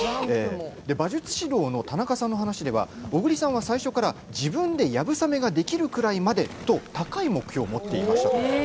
馬術指導の田中さんの話では小栗さんは最初から自分でやぶさめができるくらいまでと高い目標を持っていました。